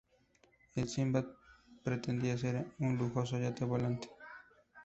El "Sinbad" pretendía ser un lujoso yate volante.